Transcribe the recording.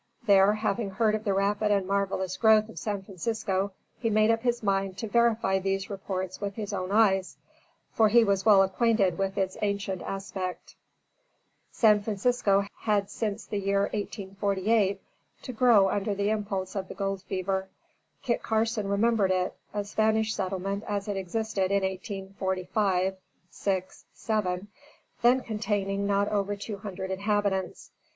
There having heard of the rapid and marvelous growth of San Francisco, he made up his mind to verify these reports with his own eyes, for he was well acquainted with its ancient aspect. San Francisco had now had since the year 1848 to grow under the impulse of the gold fever. Kit Carson remembered it, a Spanish settlement as it existed in 1845 6 7, then containing not over two hundred inhabitants.